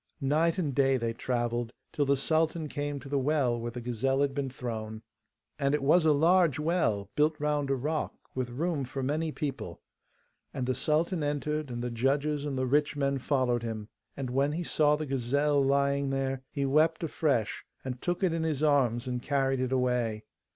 Night and day they travelled, till the sultan came to the well where the gazelle had been thrown. And it was a large well, built round a rock, with room for many people; and the sultan entered, and the judges and the rich men followed him. And when he saw the gazelle lying there he wept afresh, and took it in his arms and carried it away.